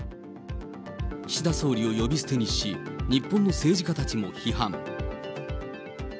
岸田総理を呼び捨てにし、日本の政治家たちも批判。